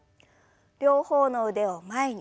両方の腕を前に。